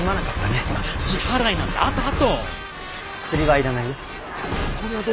釣りはいらないよ。